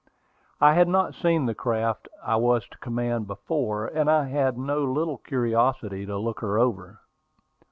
I had not seen the craft I was to command before, and I had no little curiosity to look her over.